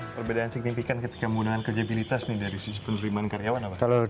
perbedaan signifikan ketika menggunakan kredibilitas nih dari sisi penerimaan karyawan apa